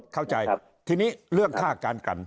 เข้าใจทีนี้เรื่องค่าการกัน